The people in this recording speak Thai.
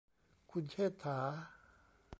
คุณเชษฐา